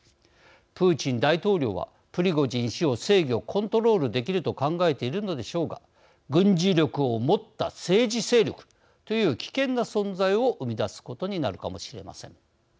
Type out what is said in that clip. プーチン大統領はプリゴジン氏を制御コントロールできると考えているのでしょうが軍事力を持った政治勢力という危険な存在を生み出すことになるかもしれません。